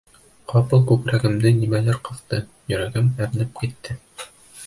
Ҡапыл күкрәгемде нимәлер ҡыҫты, йөрәгем әрнеп китте...